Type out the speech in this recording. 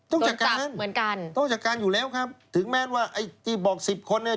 ต้องจัดการเหมือนกันต้องจัดการอยู่แล้วครับถึงแม้ว่าไอ้ที่บอกสิบคนเนี่ย